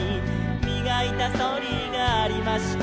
「みがいたそりがありました」